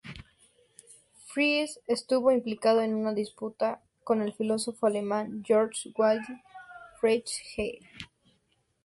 Fries estuvo implicado en una disputa con el filósofo alemán Georg Wilhelm Friedrich Hegel.